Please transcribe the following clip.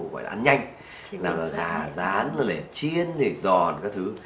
gọi là ăn nhanh là dán là để chiên là để giòn các thứ